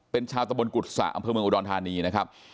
เป็นชาวตะบนกุศะอำเภอเมืองอุดรธานีนะครับ